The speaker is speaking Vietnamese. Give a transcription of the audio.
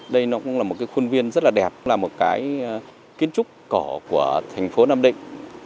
đây nó cũng là một cái khuôn viên rất là đẹp là một cái kiến trúc cổ của thành phố nam định